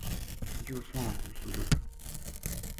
یوہ سوہنو خوبصورت